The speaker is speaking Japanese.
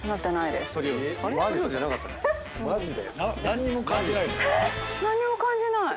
何にも感じない。